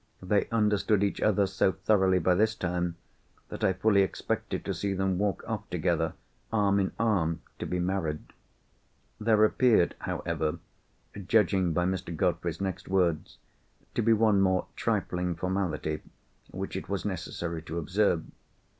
They understood each other so thoroughly by this time, that I fully expected to see them walk off together, arm in arm, to be married. There appeared, however, judging by Mr. Godfrey's next words, to be one more trifling formality which it was necessary to observe.